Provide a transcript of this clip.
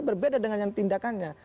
berbeda dengan yang ditindakannya